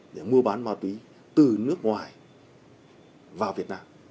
để mua bán ma túy từ nước ngoài vào việt nam